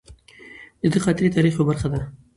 د ده خاطرې د تاریخ یوه برخه ده.